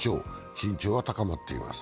緊張が高まっています。